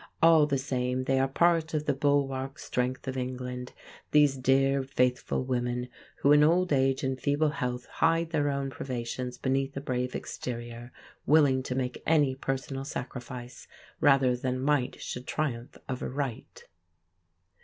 All the same they are part of the bulwark strength of England, these dear, faithful women, who in old age and feeble health hide their own privations beneath a brave exterior, willing to make any personal sacrifice rather than Might should triumph over Right.